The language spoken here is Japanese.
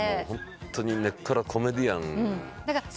ホントに根っからコメディアン気質。